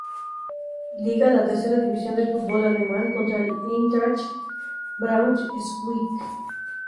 Liga -la tercera división del fútbol alemán- contra el Eintracht Braunschweig.